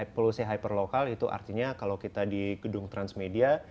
polusi hyperlokal itu artinya kalau kita di gedung transmedia